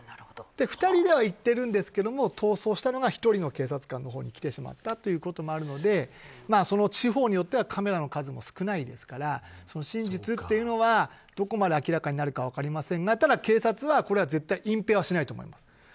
２人では行っているんですけど逃走したのが１人の警察官のほうに来てしまったということもあるので地方によっては数が少ないですから真実というのはどこまで明らかになるか分かりませんが警察は隠ぺいはしないと思います。